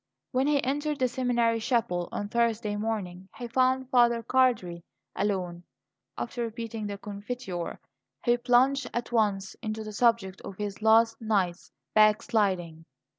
When he entered the seminary chapel on Thursday morning he found Father Cardi alone. After repeating the Confiteor, he plunged at once into the subject of his last night's backsliding.